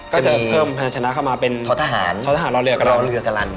ก็จะเพิ่มชนะเข้ามาเป็นทศหารทศหารรอเรือกรรลันดิ์